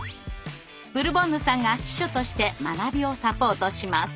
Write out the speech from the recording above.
ブルボンヌさんが秘書として学びをサポートします。